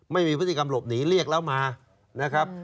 ไม่มีพฤติกรรมหลบหนีเรียกแล้วมานะครับ